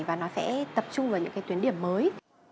và nó sẽ tập trung vào những cái tuyến điểm mới